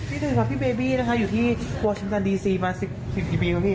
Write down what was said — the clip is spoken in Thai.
พี่ถือค่ะพี่เบบี้นะคะอยู่ที่วอเชียมจันทร์ดีซีมา๑๐กว่าปีแล้วพี่